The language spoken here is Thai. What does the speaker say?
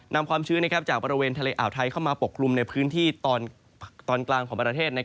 ความชื้นจากบริเวณทะเลอ่าวไทยเข้ามาปกคลุมในพื้นที่ตอนกลางของประเทศ